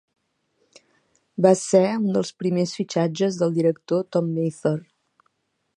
Va ser un dels primers fitxatges del director Tom Mather.